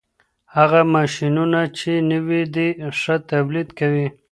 هغه ماشينونه چي نوي دي، ښه توليد کوي.